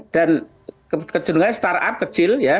dan kejadulannya startup kecil ya